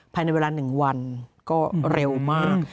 ภายในเวลา๑วันก็เร็วมาก